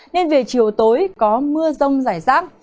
nên về chiều tối có mưa rông giải rác